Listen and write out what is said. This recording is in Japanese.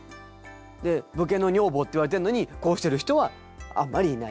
武家の女房って言われてるのにこうしてる人はあんまりいない。